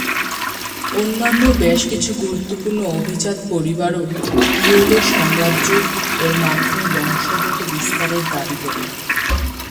অন্যান্য বেশ কিছু গুরুত্বপূর্ণ অভিজাত পরিবারও "ইয়েলো সাম্রাজ্য" এর মাধ্যমে বংশগত বিস্তারের দাবি করে।